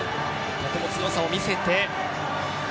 ここも強さを見せて。